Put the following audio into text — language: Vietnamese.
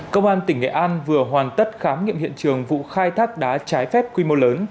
công an tỉnh nghệ an vừa hoàn tất khám nghiệm hiện trường vụ khai thác đá trái phép quy mô lớn